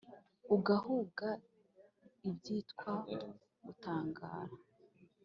Ugahuga ibyitwa gutangara,